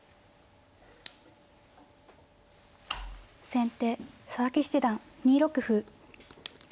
先手佐々木七段２六歩。